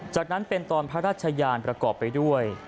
จากนั้นเป็นตอนพระราชยานประกอบไปด้วย